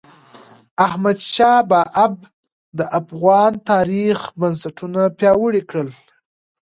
احمدشاه بااب د افغان تاریخ بنسټونه پیاوړي کړل.